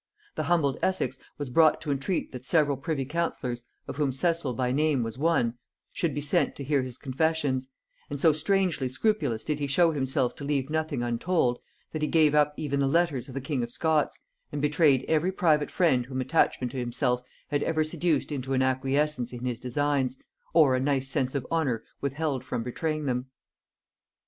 The humbled Essex was brought to entreat that several privy councillors, of whom Cecil by name was one, should be sent to hear his confessions; and so strangely scrupulous did he show himself to leave nothing untold, that he gave up even the letters of the king of Scots, and betrayed every private friend whom attachment to himself had ever seduced into an acquiescence in his designs, or a nice sense of honor withheld from betraying them.